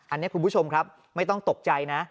อันนี้คุณผู้ชมครับไม่ต้องตกใจนะ